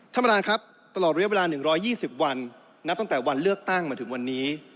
ท่านประธานครับตลอดระยะเวลา๑๒๐วันนับตั้งแต่วันเลือกตั้งมาถึงวันนี้